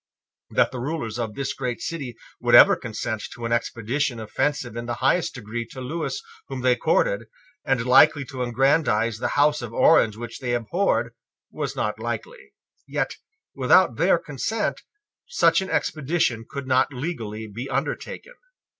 That the rulers of this great city would ever consent to an expedition offensive in the highest degree to Lewis whom they courted, and likely to aggrandise the House of Orange which they abhorred, was not likely. Yet, without their consent, such an expedition could not legally be undertaken.